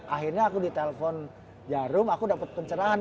akhirnya aku di telfon jarum aku dapet pencerahan